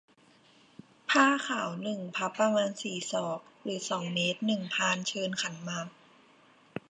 ผ้าขาว หนึ่ง พับ ประมาณ สี่ ศอก หรือ สอง เมตร หนึ่ง พานเชิญขันหมาก